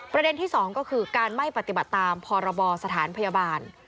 ประเด็นที่๒ก็คือการไม่ปฏิบัติตามพรบสถานพยาบาล